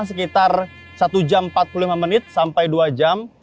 sekitar satu jam empat puluh lima menit sampai dua jam